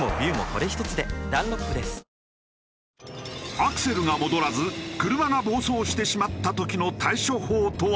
アクセルが戻らず車が暴走してしまった時の対処法とは？